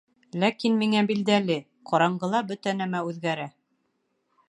— Ләкин миңә билдәле: ҡараңғыла бөтә нәмә үҙгәрә.